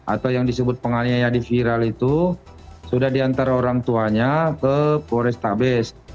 atau yang disebut penganiayaan viral itu sudah diantar orang tuanya ke forestabes